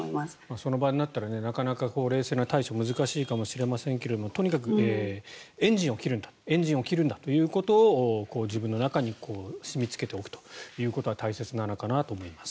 その場になったらなかなか冷静な対処は難しいと思いますがエンジンを切るんだということを自分の中に染みつけておくということが大切なのかなと思います。